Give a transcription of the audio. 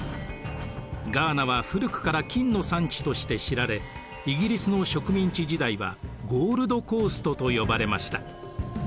ガーナは古くから金の産地として知られイギリスの植民地時代はゴールドコーストと呼ばれました。